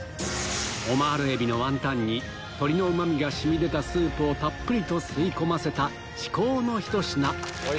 オマール海老のワンタンに鶏のうま味が染み出たスープをたっぷりと吸い込ませた至高のひと品